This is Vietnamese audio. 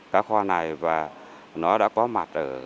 cá kho này và nó đã có mặt